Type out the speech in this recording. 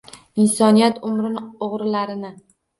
Insoniyat umrin o’g’rilarini.